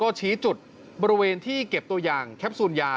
ก็ชี้จุดบริเวณที่เก็บตัวอย่างแคปซูลยา